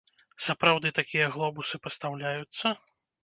Сапраўды такія глобусы пастаўляюцца?